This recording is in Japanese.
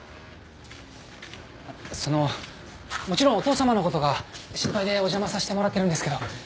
そのもちろんお父さまのことが心配でお邪魔させてもらってるんですけど。